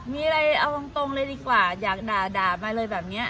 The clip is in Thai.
มีอะไรเอาตรงเลยดีกว่าอยากด่ามาเลยแบบนี้